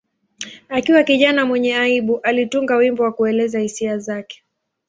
Akiwa kijana mwenye aibu, alitunga wimbo wa kuelezea hisia zake.